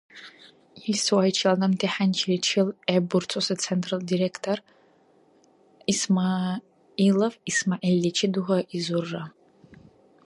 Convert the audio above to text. Ил суайчил адамти хӀянчиличил гӀеббурцуси Центрла директор ИсмягӀилов ИсмягӀилличи дугьайзурра.